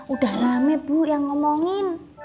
udah rame bu yang ngomongin